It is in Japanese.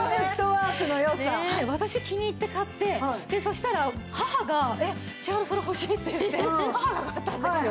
私気に入って買ってそしたら母が「千春それ欲しい」って言って母が買ったんですよ。